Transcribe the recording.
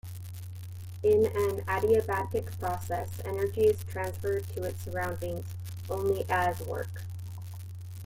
In an adiabatic process, energy is transferred to its surroundings only as work.